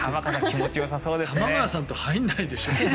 玉川さんと入らないでしょ。